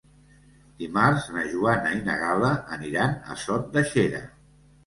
Dimarts na Joana i na Gal·la aniran a Sot de Xera.